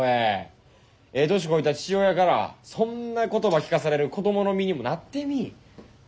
ええ年こいた父親からそんな言葉聞かされる子供の身にもなってみい。